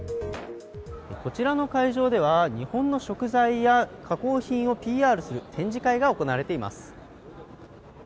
こちらの会場では、日本の食材や加工品をＰＲする展示会が行われています。